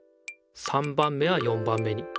３番目は４番目に。